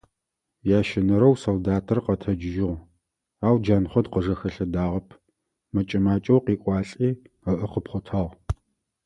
Ящэнэрэу солдатыр къэтэджыжьыгъ, ау Джанхъот къыжэхэлъэдагъэп, мэкӀэ-макӀэу къекӀуалӀи, ыӀэ къыпхъотагъ.